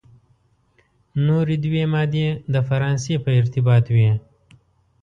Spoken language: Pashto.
نوري دوې مادې د فرانسې په ارتباط وې.